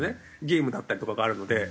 ゲームだったりとかがあるので。